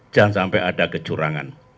jangan sampai ada kecurangan